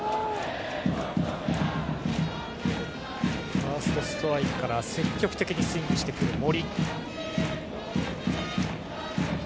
ファーストストライクから積極的にスイングしてくる森。